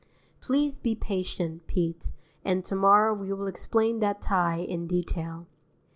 Please be patient, Pete, and to morrow we will explain that tie in detail.